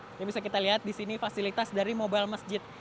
kita bisa lihat disini fasilitas dari mobile masjid